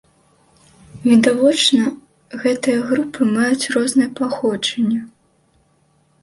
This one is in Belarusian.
Відавочна, гэтыя групы маюць рознае паходжанне.